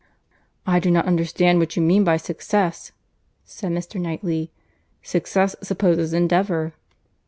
"I do not understand what you mean by 'success,'" said Mr. Knightley. "Success supposes endeavour.